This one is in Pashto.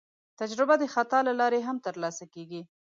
تجربه د خطا له لارې هم ترلاسه کېږي.